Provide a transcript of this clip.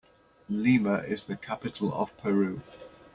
Lima is the capital of Peru.